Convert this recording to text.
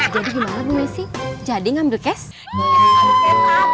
jadi gimana bu messi jadi ngambil cash